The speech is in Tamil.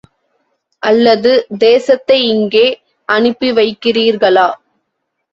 அல்லது தேசத்தை இங்கே அனுப்பிவைக்கிறீர்களா?